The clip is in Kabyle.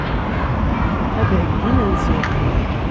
Ad d-theyyi imensi.